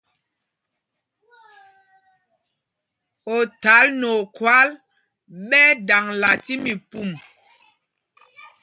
Othǎl nɛ okhwâl ɓɛ daŋla tí mípûm.